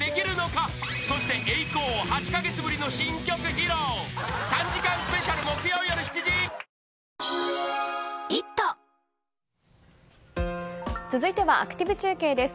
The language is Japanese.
フラミンゴ続いてはアクティブ中継です。